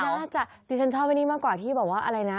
น่าจะดิฉันชอบไอ้นี่มากกว่าที่บอกว่าอะไรนะ